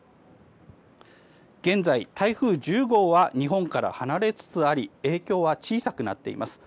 現在、台風１０号は日本から離れつつあり影響は小さくなっています。